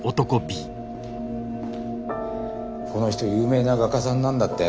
この人有名な画家さんなんだって？